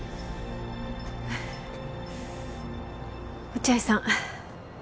落合さん